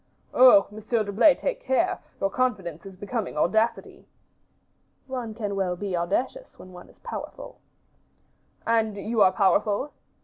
"Oh! Monsieur d'Herblay, take care, your confidence is becoming audacity." "One can well be audacious when one is powerful." "And you are powerful?"